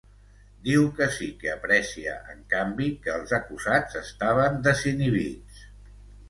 Diu que sí que aprecia, en canvi, que els acusats estaven desinhibits.